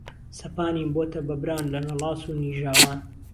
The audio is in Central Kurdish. سهپانیم بۆته بهبران له نهڵاس و نیژاوان